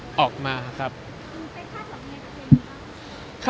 คุณเป็นคาดหวังยังไงกับเพลงนี้ครับ